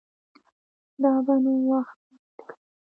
دا به نو وخت ثابته کړي